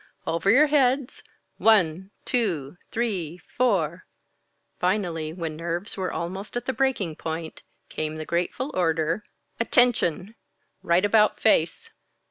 Over your heads. One, two, three, four." Finally, when nerves were almost at the breaking point, came the grateful order, "Attention! Right about face.